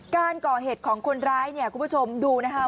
การก่อเหตุของคนร้ายเนี่ยคุณผู้ชมดูนะคะ